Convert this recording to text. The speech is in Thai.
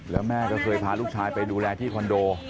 แล้วแม่ก็เคยพาลูกชายไปดูแลที่คอนโด